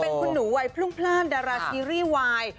เป็นคุณหนูวัยพรุ่งพลาดดาราซีรีส์วาย